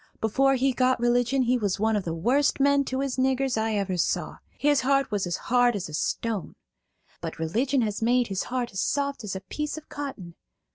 Before he got religion he was one of the worst men to his niggers I ever saw; his heart was as hard as a stone. But religion has made his heart as soft as a piece of cotton.